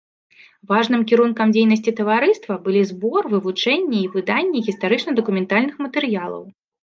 Важным кірункам дзейнасці таварыства былі збор, вывучэнне і выданне гістарычна-дакументальных матэрыялаў.